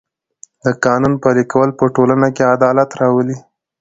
د قانون پلي کول په ټولنه کې عدالت راولي.